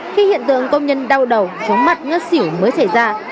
khi hiện tượng công nhân đau đầu chóng mặt ngất xỉu mới xảy ra